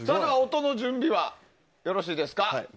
音の準備はよろしいですか。